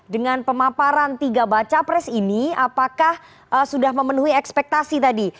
dengan pemaparan tiga baca pres ini apakah sudah memenuhi ekspektasi tadi